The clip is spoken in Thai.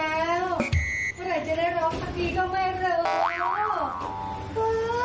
อยากร้องเพลงแล้วเวลาจะได้ร้องทันทีก็ไม่รู้